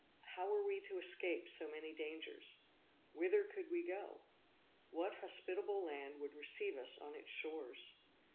How were we to escape so many dangers? Whither could we go? What hospitable land would receive us on its shores?